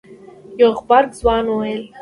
يو غبرګ ځوان وويل.